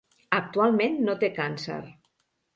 Actualment no té càncer.